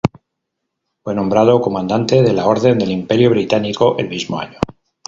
Fue nombrado Comandante de la Orden del Imperio Británico el mismo año.